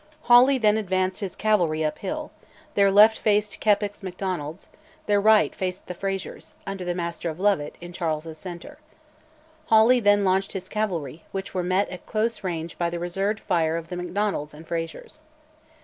Hawley then advanced his cavalry up hill: their left faced Keppoch's Macdonalds; their right faced the Frazers, under the Master of Lovat, in Charles's centre. Hawley then launched his cavalry, which were met at close range by the reserved fire of the Macdonalds and Frazers.